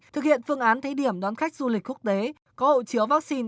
thực hiện phương án thí điểm đón khách du lịch quốc tế có hậu chiếu vaccine